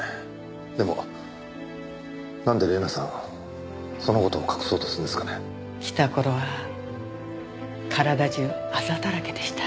でもなんで玲奈さんその事を隠そうとするんですかね？来た頃は体中アザだらけでした。